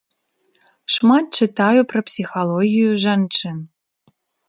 Шмат чытаю пра псіхалогію жанчын.